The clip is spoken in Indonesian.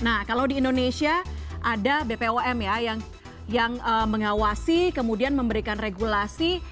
nah kalau di indonesia ada bpom ya yang mengawasi kemudian memberikan regulasi